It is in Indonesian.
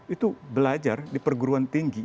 itu belajar di perguruan tinggi